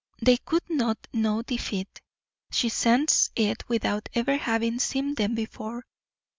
They could not know defeat. She sensed it without ever having seen them before.